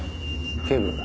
警部